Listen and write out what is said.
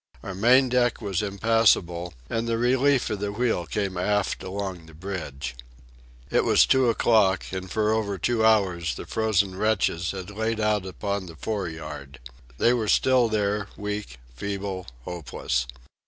Our main deck was impassable, and the relief of the wheel came aft along the bridge. It was two o'clock, and for over two hours the frozen wretches had laid out upon the fore yard. They were still there, weak, feeble, hopeless.